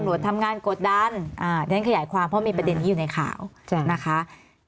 กดดันท่านขยายความเพราะมีประเด็นนี้อยู่ในข่าวนะคะ